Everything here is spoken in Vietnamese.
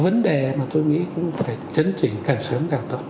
vấn đề mà tôi nghĩ cũng phải chấn chỉnh càng sớm càng tốt